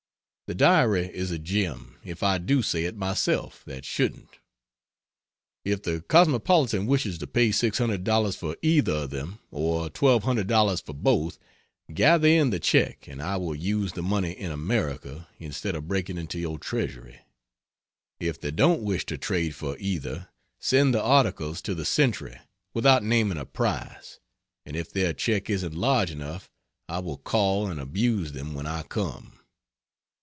The Diary is a gem, if I do say it myself that shouldn't. If the Cosmopolitan wishes to pay $600 for either of them or $1,200 for both, gather in the check, and I will use the money in America instead of breaking into your treasury. If they don't wish to trade for either, send the articles to the Century, without naming a price, and if their check isn't large enough I will call and abuse them when I come.